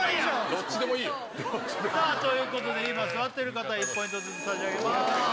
どっちでもいいよということで今座ってる方１ポイントずつ差し上げます